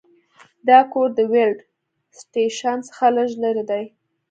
دا کور د ویلډ سټیشن څخه لږ لرې دی